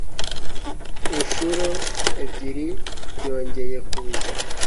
Inshuro ebyiri byongeye kuza